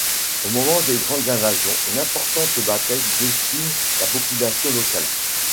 Au moment des Grandes Invasions, une importante bataille décime la population locale.